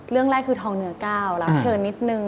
เรื่องแรกคือทองเหนือก้าวรับเชิญนิดนึง